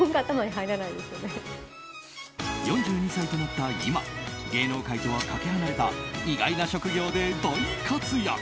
４２歳となった今芸能界とはかけ離れた意外な職業で大活躍！